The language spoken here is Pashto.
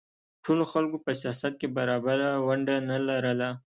ټولو خلکو په سیاست کې برابره ونډه نه لرله.